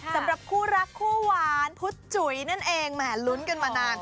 สำหรับคู่รักคู่หวานพุธจุ๋ยนั่นเองแหมลุ้นกันมานาน